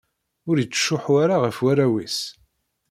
Ur ittcuḥḥu ara ɣef warraw-is.